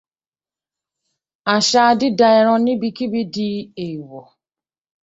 Àṣà dída ẹran níbikíbi di èèwọ̀.